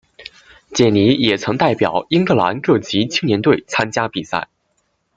简尼也曾代表英格兰各级青年队参加比赛。